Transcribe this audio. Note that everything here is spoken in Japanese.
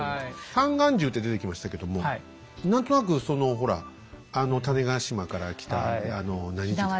三眼銃って出てきましたけども何となくそのほら種子島から来たあの何銃だっけ。